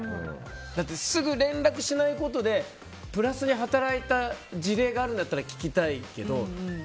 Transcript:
だって、すぐ連絡しないことでプラスに働いた事例があるんだったら聞きたいけど。